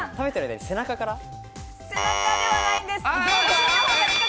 背中ではないんです。